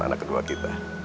anak kedua kita